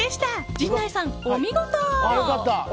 陣内さん、お見事。